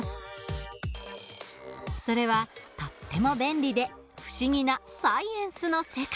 それはとっても便利で不思議なサイエンスの世界。